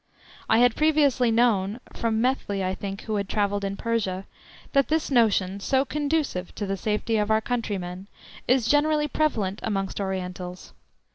I had previously known (from Methley, I think, who had travelled in Persia) that this notion, so conducive to the safety of our countrymen, is generally prevalent amongst Orientals.